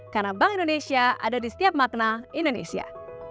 karena bank indonesia ada di setiap makna indonesia